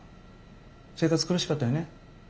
生活苦しかったよね。